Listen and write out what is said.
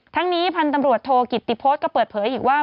ทั้งนี้พันธุ์ตำรวจโทกิตติพฤษก็เปิดเผยอีกว่า